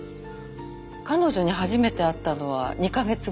彼女に初めて会ったのは２カ月ぐらい前。